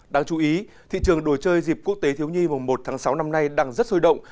đáng chú ý thị trường đồ chơi dịp quốc tế thiếu nhi mùng một tháng sáu năm nay đang rất sôi động